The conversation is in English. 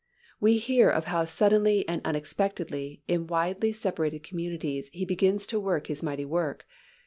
We hear of how suddenly and unexpectedly in widely separated communities He begins to work His mighty work.